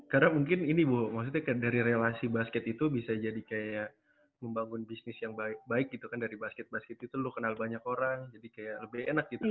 karena mungkin ini ibu maksudnya dari relasi basket itu bisa jadi kayak membangun bisnis yang baik gitu kan dari basket basket itu lu kenal banyak orang jadi kayak lebih enak gitu kan